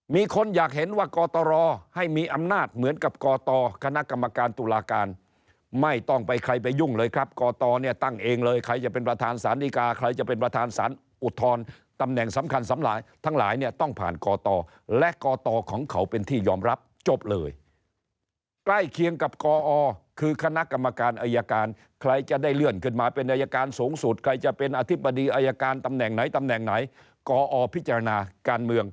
มีคนอยากเห็นว่ากตรโดยตำแหน่งให้มีอำนาจเหมือนกับกตรโดยตำแหน่งคณะกรรมการตุลาการไม่ต้องไปใครไปยุ่งเลยครับกตรโดยตำแหน่งเนี่ยตั้งเองเลยใครจะเป็นประธานศาลนิกาใครจะเป็นประธานศาลอุทธรณ์ตำแหน่งสำคัญทั้งหลายเนี่ยต้องผ่านกตรโดยตำแหน่งและกตรโดยตำแหน่งของเขาเป็นที่ยอมร